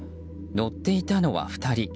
乗っていたのは２人。